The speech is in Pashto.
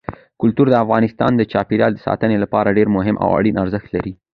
کلتور د افغانستان د چاپیریال ساتنې لپاره ډېر مهم او اړین ارزښت لري.